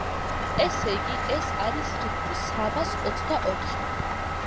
ესე იგი, ეს არის რიცხვი სამას ოცდაოთხი.